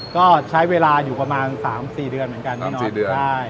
ก็ใช้เวลาอยู่ประมาณสามสี่เดือนเหมือนกันสามสี่เดือนได้